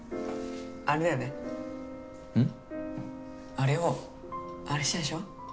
あれをあれしたでしょ？